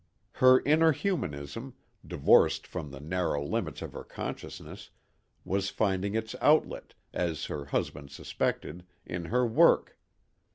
Her inner humanism, divorced from the narrow limits of her consciousness, was finding its outlet, as her husband suspected, in her work.